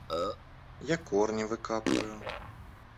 Я корни выкапываю.